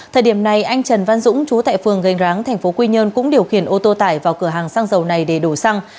thời điểm này anh trần văn dũng chú tại phường gành ráng tp quy nhơn cũng điều khiển ô tô tải vào cửa hàng xăng dầu này để đổ xăng